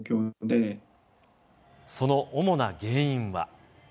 その主な原因は。